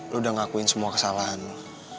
lo udah ngakuin semua kesalahan